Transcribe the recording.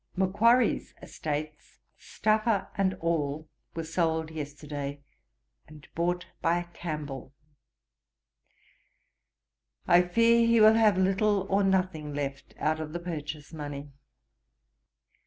'Macquarry's estates, Staffa and all, were sold yesterday, and bought by a Campbell. I fear he will have little or nothing left out of the purchase money.